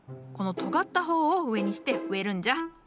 このとがった方を上にして植えるんじゃ。